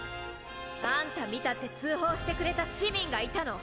アンタ見たって通報してくれた市民がいたの！